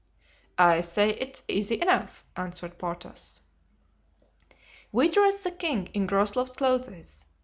"I say it is easy enough," answered Porthos. "We dress the king in Groslow's clothes.